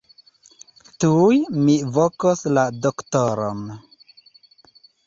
Tuj mi vokos la doktoron.